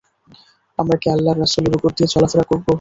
আমরা কি আল্লাহর রাসূলের উপর দিয়ে চলাফেরা করব?